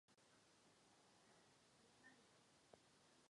Zavedlo ji také Japonsko a Dánsko.